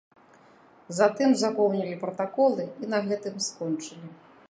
Затым запоўнілі пратаколы і на гэтым скончылі.